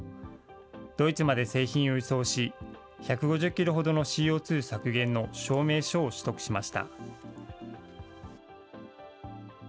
ドイツまで製品を輸送し、１５０キロほどのＣＯ２削減の証明書を取得しました。